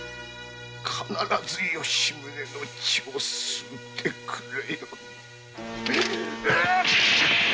必ず吉宗の血を吸ってくれよ。